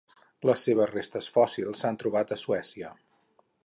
Les seves restes fòssils s'han trobat a Suècia.